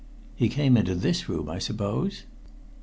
"He came into this room, I suppose?"